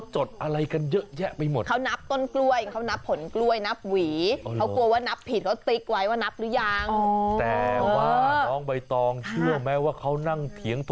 ชัดจังเลยเนี่ยชัดชัดเลยตัวเนี่ย